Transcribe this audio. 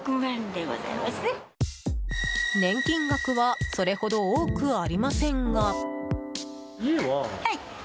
年金額はそれほど多くありませんが。